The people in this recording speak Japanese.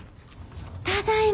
ただいま。